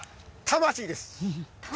魂ですね。